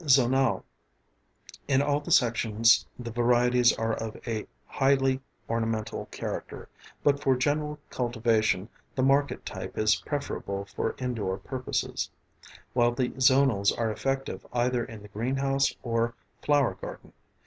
zonale_. In all the sections the varieties are of a highly ornamental character, but for general cultivation the market type is preferable for indoor purposes, while the zonals are effective either in the greenhouse or flower garden.